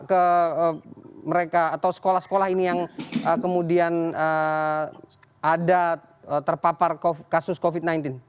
ke mereka atau sekolah sekolah ini yang kemudian ada terpapar kasus covid sembilan belas